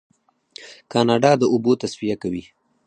کاناډا د اوبو تصفیه کوي.